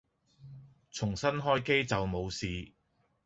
重新開機就冇事